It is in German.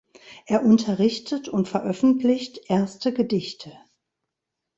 Er unterrichtet und veröffentlicht erste Gedichte.